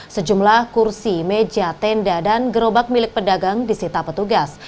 sejumlah kursi meja tenda dan gerobak milik pedagang disita petugas